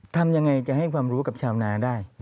ทำยังไงจะให้ความรู้กับชาวนาได้